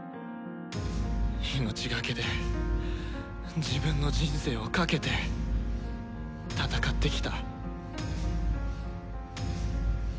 命がけで自分の人生をかけて戦ってきた。